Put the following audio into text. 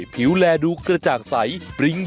ผิวแลดูกระจ่างใสปริ้ง